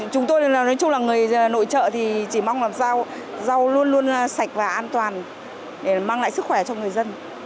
chúng tôi nói chung là người nội trợ thì chỉ mong làm sao rau luôn luôn sạch và an toàn để mang lại sức khỏe cho người dân